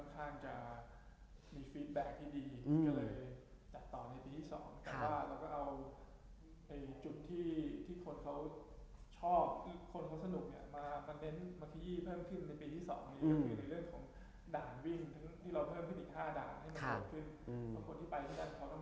การวิ่งวิ่งซีซั่น๒นะครับก็ปีที่แล้วที่เราจัดมามันค่อนข้างจะมีฟีดแบ็คที่ดี